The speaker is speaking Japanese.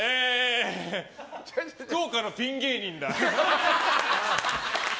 福岡のピン芸人だ。